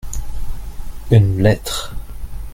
une lettre.